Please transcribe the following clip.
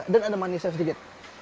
dan ada manisnya sedikit